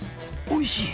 おいしい。